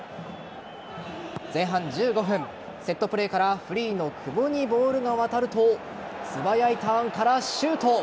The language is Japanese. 前半１５分セットプレーからフリーの久保にボールが渡ると素早いターンからシュート。